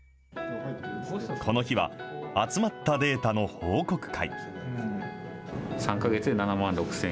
この日は集まったデータの報告会。